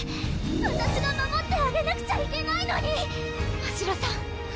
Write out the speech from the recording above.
わたしが守ってあげなくちゃいけないのにましろさん